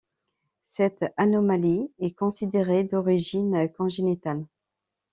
Cette anomalie est considérée d'origine congénitale.